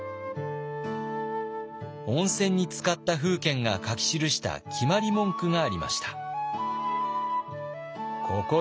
温泉につかった楓軒が書き記した決まり文句がありました。